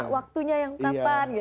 waktunya yang kapan